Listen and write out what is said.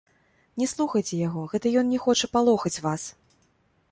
Не слухайце яго, гэта ён не хоча палохаць вас.